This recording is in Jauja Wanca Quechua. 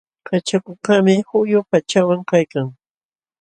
Kachakukaqmi quyu pachawan kaykan.